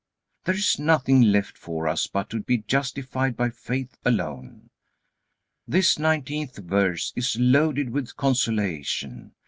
There is nothing left for us but to be justified by faith alone. This nineteenth verse is loaded with consolation.